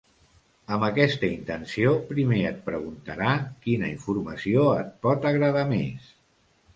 Amb aquesta intenció, primer et preguntarà quina informació et pot agradar més.